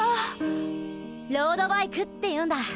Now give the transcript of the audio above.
ロードバイクっていうんだ。